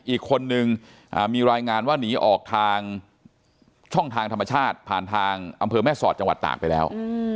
อีกคนนึงมีรายงานว่าหนีออกทางช่องทางธรรมชาติผ่านทางอำเภอแม่สอดจังหวัดตากไปแล้ว